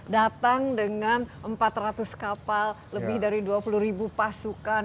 datang dengan empat ratus kapal lebih dari dua puluh ribu pasukan